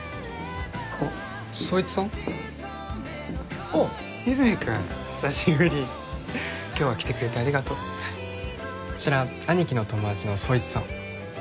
あっ宗一さん？あっ和泉君久しぶり今日は来てくれてありがとうこちら兄貴の友達の宗一さん